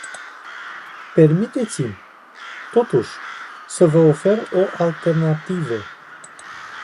Permiteți-mi, totuși, să vă ofer o alternativă.